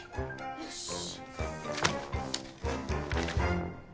よし！